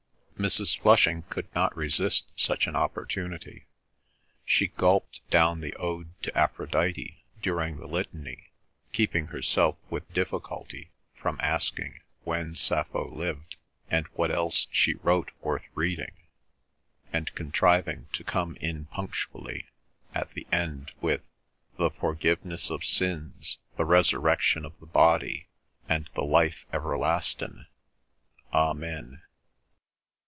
Mrs. Flushing could not resist such an opportunity. She gulped down the Ode to Aphrodite during the Litany, keeping herself with difficulty from asking when Sappho lived, and what else she wrote worth reading, and contriving to come in punctually at the end with "the forgiveness of sins, the Resurrection of the body, and the life everlastin'. Amen."